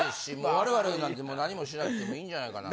我々なんて何もしなくてもいいんじゃないかなと。